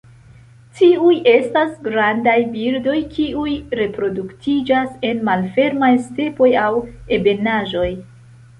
Tiuj estas grandaj birdoj kiuj reproduktiĝas en malfermaj stepoj aŭ ebenaĵoj.